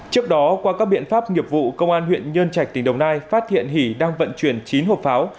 trước đó qua các biện pháp nghiệp vụ công an huyện nhân trạch tỉnh đồng nai phát hiện hỷ đang vận chuyển chín hộp pháo